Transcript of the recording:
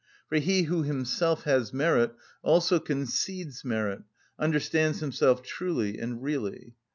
For he who himself has merit also concedes merit—understands himself truly and really.